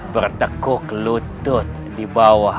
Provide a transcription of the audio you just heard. bertekuk lutut di bawah